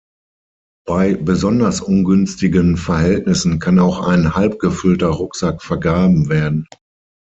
Bei besonders ungünstigen Verhältnissen kann auch ein halb gefüllter Rucksack vergraben werden.